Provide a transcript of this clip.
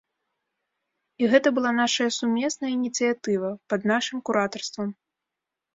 І гэта была нашая сумесная ініцыятыва, пад нашым куратарствам.